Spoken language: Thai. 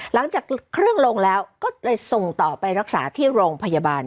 หลังจากเครื่องลงแล้วก็เลยส่งต่อไปรักษาที่โรงพยาบาล